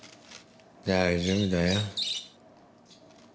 大丈夫だよ。